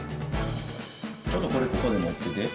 ちょっとこれここでもってて。